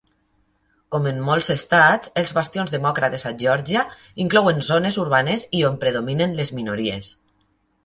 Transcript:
Com en molts estats, els bastions demòcrates a Geòrgia inclouen zones urbanes i on predominen les minories.